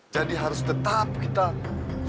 jadi harus tetap kita bawa